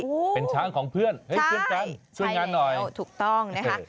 เป็นช้างของเพื่อนเครื่องการช่วยงานหน่อยใช่ใช่ถูกต้องนะคะ